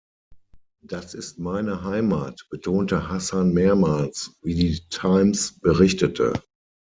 Das ist meine Heimat“, betonte Hassan mehrmals, wie die Times berichtete.